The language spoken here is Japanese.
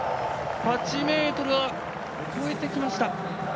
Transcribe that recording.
８ｍは超えてきました。